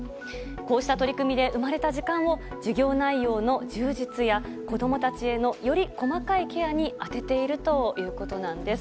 こうした取り組みで生まれた時間を授業内容の充実や子供たちへのより細かいケアに充てているということなんです。